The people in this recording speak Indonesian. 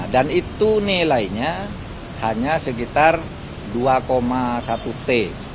dan itu nilainya hanya sekitar dua satu t